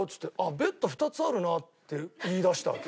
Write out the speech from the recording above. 「ベッド２つあるな」って言いだしたわけ。